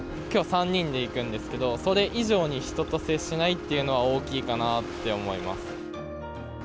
きょう３人で行くんですけど、それ以上に人と接しないっていうのは大きいかなって思います。